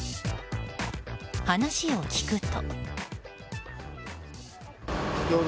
話を聞くと。